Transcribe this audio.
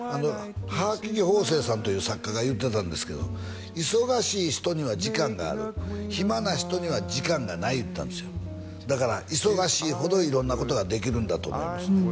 帚木蓬生さんという作家が言ってたんですけど忙しい人には時間がある暇な人には時間がない言ってたんですよだから忙しいほど色んなことができるんだと思いますね